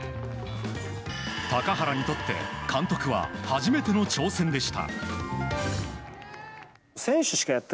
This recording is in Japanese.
高原にとって監督は初めての挑戦でした。